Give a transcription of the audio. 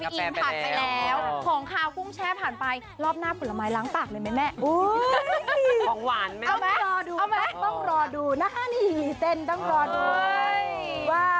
ต้องรอดูต้องรอดูนะฮะนี่หญิงลีเต้นต้องรอดู